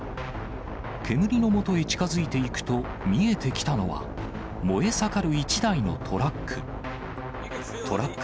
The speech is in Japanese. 煙のもとへ近づいていくと、見えてきたのは、燃え盛る１台のトラック。